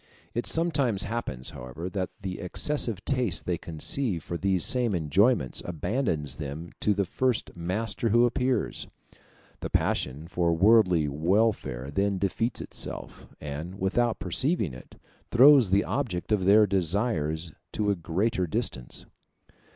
It sometimes happens, however, that the excessive taste they conceive for these same enjoyments abandons them to the first master who appears. The passion for worldly welfare then defeats itself, and, without perceiving it, throws the object of their desires to a greater distance.